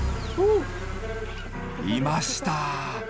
いました。